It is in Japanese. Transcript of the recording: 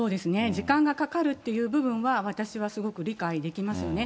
時間がかかるという部分は、私はすごく理解できますよね。